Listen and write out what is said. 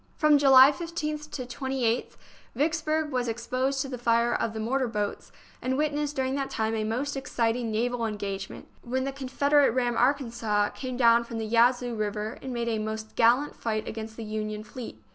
From July 15th to 28th Vicksburg was ex posed to the fire of the mortar boats, and wit nessed during that time a most exciting naval engagement, when the Confederate ram Arkansas came down from the Yazoo River and made a most gallant fight against the Union fleet.